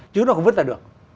chứ nó không vứt ra được